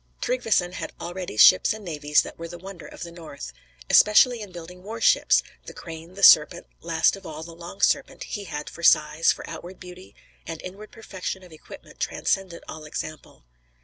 Tryggveson had already ships and navies that were the wonder of the North. Especially in building war ships the Crane, the Serpent, last of all the Long Serpent he had, for size, for outward beauty, and inward perfection of equipment, transcended all example.